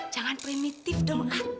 jangan primitif dong ah